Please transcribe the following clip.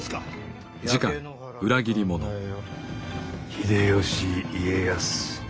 秀吉家康